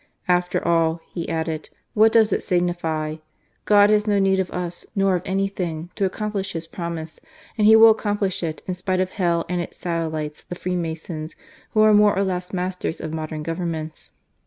"After all," he added, " what does it signify ? God has no need of us, nor of anything, to accomplish His promise ; and He will accomplish it, in spite of Hell and its satellites, the Freemasons, who are more or less masters of modern Governments."